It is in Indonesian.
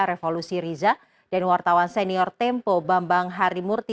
revolusi riza dan wartawan senior tempo bambang harimurti